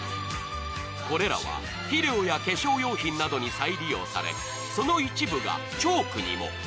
これらは肥料や化粧用品などに再利用されその一部がチョークにも。